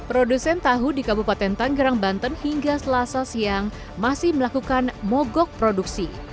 produsen tahu di kabupaten tanggerang banten hingga selasa siang masih melakukan mogok produksi